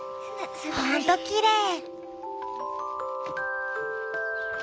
ほんときれい。